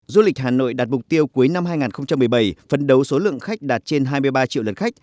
du lịch hà nội đạt mục tiêu cuối năm hai nghìn một mươi bảy phân đấu số lượng khách đạt trên hai mươi ba triệu lượt khách